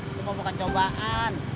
itu mah bukan cobaan